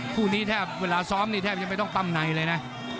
คู่นี้แทบเวลาซ้อมนี่แทบยังไม่ต้องปั้มในเลยนะ